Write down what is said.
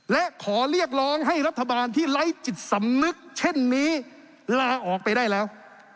และขอเรียกร้องให้รัฐบาลที่ไร้จิตสำนึกเช่นนี้ลาออกไปได้แล้ว